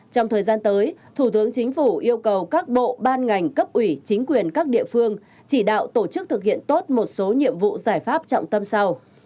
trong thời gian tới thủ tướng chính phủ yêu cầu các bộ ban ngành cấp ủy chính quyền các địa phương chỉ đạo tổ chức thực hiện tốt một số nhiệm vụ giải pháp trọng tâm sau